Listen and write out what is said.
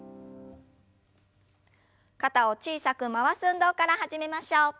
肩を小さく回す運動から始めましょう。